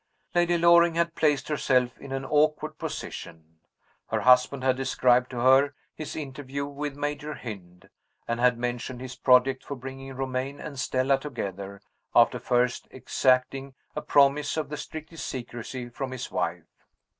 Lady Loring had placed herself in an awkward position. Her husband had described to her his interview with Major Hynd, and had mentioned his project for bringing Romayne and Stella together, after first exacting a promise of the strictest secrecy from his wife.